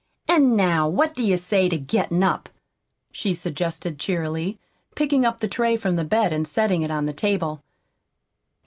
"An' now what do you say to gettin' up?" she suggested cheerily, picking up the tray from the bed and setting it on the table.